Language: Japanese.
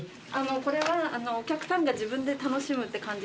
これはお客さんが自分で楽しむって感じで。